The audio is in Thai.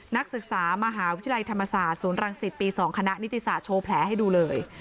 นักศึกษามหาวิทยาลัยธรรมศาสตร์ศูนย์รังสิตปี๒คณะนิติศาสตร์โชว์แผลให้ดูเลย